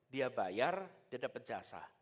dia bayar dia dapat jasa